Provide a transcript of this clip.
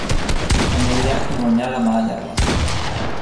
En ella hi guanyà la medalla d'or.